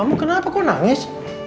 kamu kenapa kok nangis